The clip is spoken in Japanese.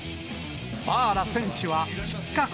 バアラ選手は失格。